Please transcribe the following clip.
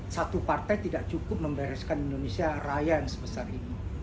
satu partai tidak cukup membereskan indonesia raya yang sebesar ini